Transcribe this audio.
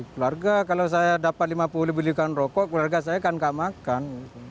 keluarga kalau saya dapat rp lima puluh belikan rokok keluarga saya tidak makan